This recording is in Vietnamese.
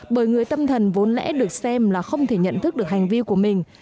bởi người tâm thần vốn lẽ được xem là không thể nhận thức được hành vi của mình